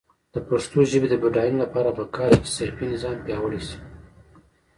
د پښتو ژبې د بډاینې لپاره پکار ده چې صرفي نظام پیاوړی شي.